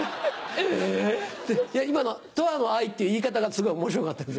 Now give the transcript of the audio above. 今の「とわの愛」っていう言い方がすごい面白かった。